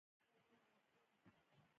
که غواړې بریالی واوسې؛ نو ځان قوي وښیاست!